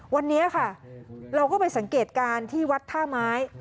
วันนี้ค่ะเราก็ไปสังเกตการณ์ที่วัดท่าไม้